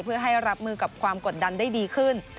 เพื่อให้รับมือกับความกดดันได้ดีขึ้น